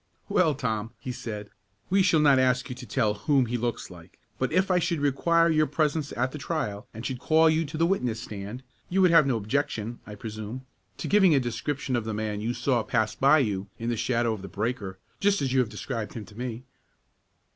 "Well, Tom," he said, "we shall not ask you to tell whom he looks like, but if I should require your presence at the trial, and should call you to the witness stand, you would have no objection, I presume, to giving a description of the man you saw pass by you in the shadow of the breaker, just as you have described him to me?"